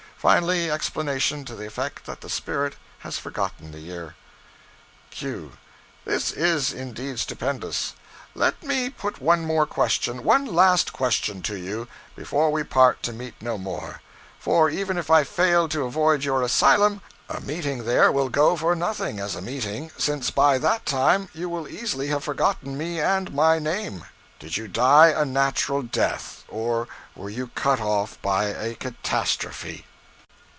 Finally, explanation to the effect that the spirit has forgotten the year.) Q. This is indeed stupendous. Let me put one more question, one last question, to you, before we part to meet no more; for even if I fail to avoid your asylum, a meeting there will go for nothing as a meeting, since by that time you will easily have forgotten me and my name: did you die a natural death, or were you cut off by a catastrophe?